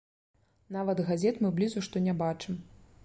Нават газет мы блізу што не бачым.